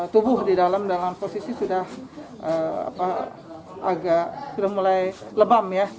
tubuh di dalam dalam posisi sudah apa agak sudah mulai lebam ya